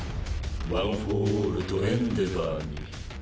ワン・フォー・オールとエンデヴァーに。